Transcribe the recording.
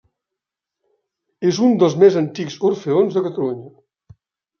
És un dels més antics orfeons de Catalunya.